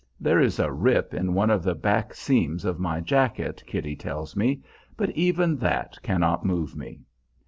There is a rip in one of the back seams of my jacket, Kitty tells me, but even that cannot move me.